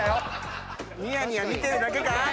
「にやにや見てるだけか？」